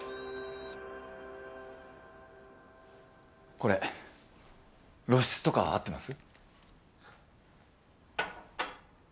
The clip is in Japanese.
これ露出とか合ってます？